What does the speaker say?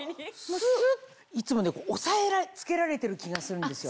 ス！いつも押さえつけられてる気がするんですよ。